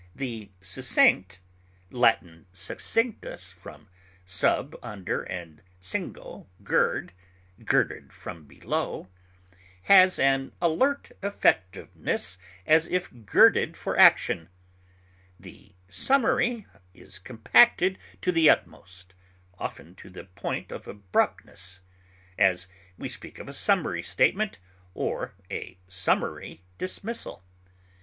The succinct (L. succinctus, from _sub _, under, and cingo, gird; girded from below) has an alert effectiveness as if girded for action. The summary is compacted to the utmost, often to the point of abruptness; as, we speak of a summary statement or a summary dismissal.